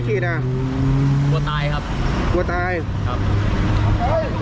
ฉีระฟลิกเขาฉีดยัง